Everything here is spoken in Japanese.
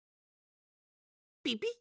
ピピッ？